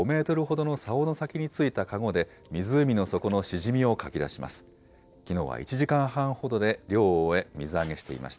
漁は船の上から長さ５メートルほどのさおの先についた籠で、湖の底のシジミをかき出します。